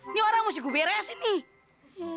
ini orang mesti gue beresin nih